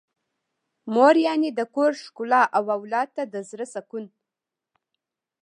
مور يعنې د کور ښکلا او اولاد ته د زړه سکون.